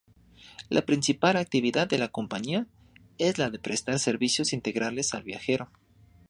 La principal actividad de la compañía, es la de prestar servicios integrales al viajero.